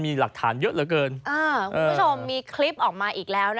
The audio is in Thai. มีหลักฐานเยอะเหลือเกินคุณผู้ชมมีคลิปออกมาอีกแล้วนะ